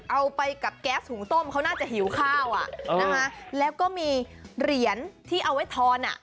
เอาไปกับแก๊สหุงต้มเขาน่าจะหิวข้าวอ่ะนะคะแล้วก็มีเหรียญที่เอาไว้ทอนอ่ะ